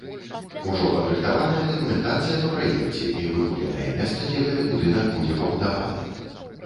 Ужо падрыхтаваная дакументацыя па праекце і выкупленае месца, дзе гэты будынак будзе пабудаваны.